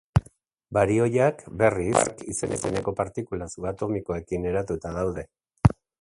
Barioiak, berriz, quark izeneko partikula subatomikoekin eratuta daude.